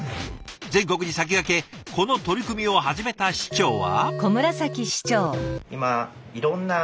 全国に先駆けこの取り組みを始めた市長は。